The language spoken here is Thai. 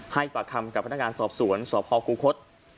ให้ประคำกับพนักงานสอบศรษ์ส่วนสอบพคูคฅศ